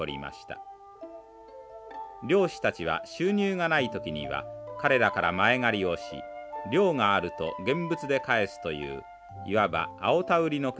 漁師たちは収入がない時には彼らから前借りをし漁があると現物で返すといういわば青田売りの暮らしを続けてきました。